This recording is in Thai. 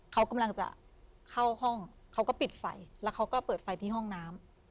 เขากำลังจะเข้าห้องเขาก็ปิดไฟแล้วเขาก็เปิดไฟที่ห้องน้ำ